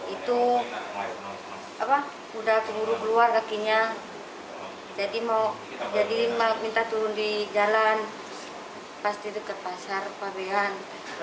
itu apa sudah keluar keluar lakinya jadi mau jadi minta turun di jalan pas di dekat pasar pabean